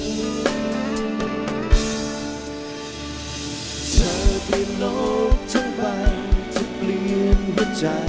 เธอเปลี่ยนโลกเท่าไหร่เธอเปลี่ยนหัวใจ